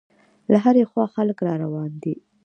له هرې خوا خلک را روان دي.